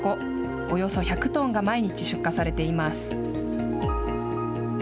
およそ１００トンが毎日出荷されています。